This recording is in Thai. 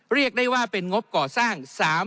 เรียกได้ว่าเป็นงบก่อสร้าง